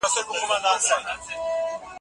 دیني ازادي د هر انسان حق دی.